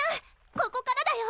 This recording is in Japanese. ここからだよ！